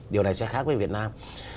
điều này sẽ khác với việt nam